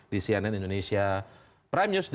di cnn indonesia prime news